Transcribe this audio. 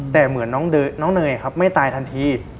แต่เหมือนน้องเนยครับไม่ตายทันที